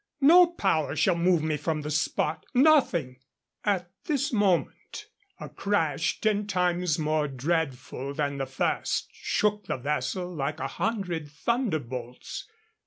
No power shall move me from the spot. Nothing " At this moment a crash ten times more dreadful than the first shook the vessel like a hundred thunderbolts.